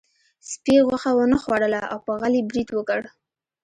سپي غوښه ونه خوړله او په غل یې برید وکړ.